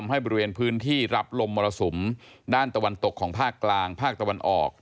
ให้บริเวณพื้นที่รับลมมรสุมด้านตะวันตกของภาคกลางภาคตะวันออก